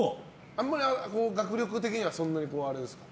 あんまり学力的にそんなにあれですか？